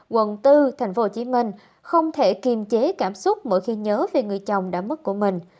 quận bốn tp hcm không thể kiềm chế cảm xúc mỗi khi nhớ về người chồng đã mất của mình